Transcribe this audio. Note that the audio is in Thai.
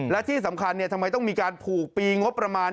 และที่สำคัญทำไมต้องมีการผูกปีงบประมาณ